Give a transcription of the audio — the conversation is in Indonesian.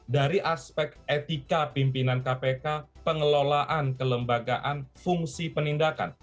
dari aspek etika pimpinan kpk pengelolaan kelembagaan fungsi penindakan